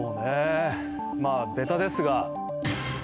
まあベタですが。